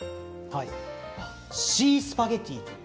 シースパゲッティ。